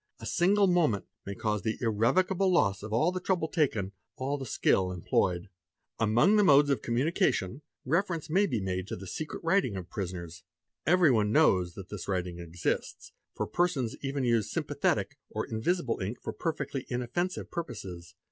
A single moment may cause the irrevocable ~ loss of all the trouble taken, all the skill employed. | Among the modes of communication reference may be made to the secret writing of prisoners. Everyone knows that this writing exists, — for persons even use "sympathetic" or invisible ink for perfectly inoffensive purposes.